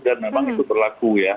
dan memang itu terlaku ya